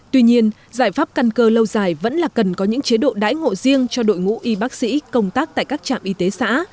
tuy nhiên giải pháp căn cơ lâu dài vẫn là cần có những chế độ đái ngộ riêng cho đội ngũ y bác sĩ công tác tại các trạm y tế xã